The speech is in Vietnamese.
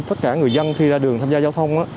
tất cả người dân khi ra đường tham gia giao thông